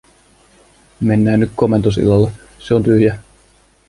"mennää nyt komentosillalle, se on tyhjä."